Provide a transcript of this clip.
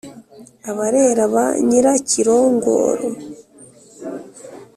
abarera ba nyirakirongoro.